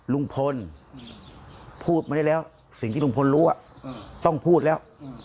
ลุงพลพูดมาได้แล้วสิ่งที่ลุงพลรู้ต้องพูดแล้ว